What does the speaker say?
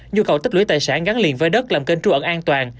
nhu cầu tích lưỡi tài sản gắn liền với đất làm kênh trụ ẩn an toàn